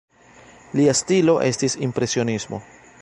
Lia stilo estis impresionismo.